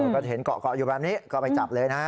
ก็เห็นเกาะอยู่แบบนี้ก็ไปจับเลยนะฮะ